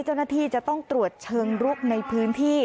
เจ้าหน้าที่จะต้องตรวจเชิงลุกในพื้นที่